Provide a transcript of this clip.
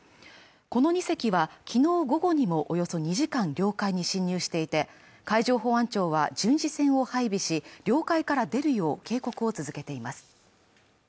この２隻は昨日午後にもおよそ２時間領海に侵入していて海上保安庁は巡視船を配備し領海から出るよう警告を続けています